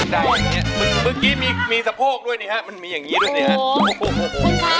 อย่างนี้เมื่อกี้มีสะโพกด้วยนี่ฮะมันมีอย่างนี้ด้วยนะครับ